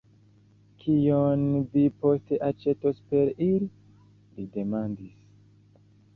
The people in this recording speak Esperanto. Kion vi poste aĉetos per ili? li demandis.